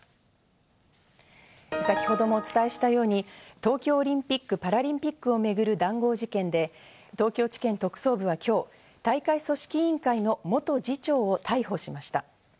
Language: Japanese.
先程もお伝えしたように、東京オリンピック・パラリンピックを巡る談合事件で、東京地検特捜部は今日、大会組織員会の元次長を逮捕しました。